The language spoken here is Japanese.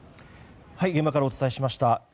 現場からお伝えしました。